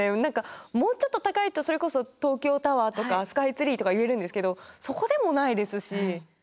何かもうちょっと高いとそれこそ東京タワーとかスカイツリーとか言えるんですけどそこでもないですし。